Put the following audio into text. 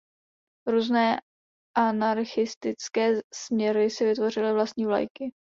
Různé anarchistické směry si vytvořily vlastní vlajky.